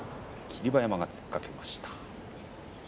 霧馬山が突っかけました。